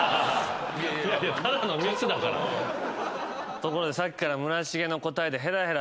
ところでさっきから村重の答えで。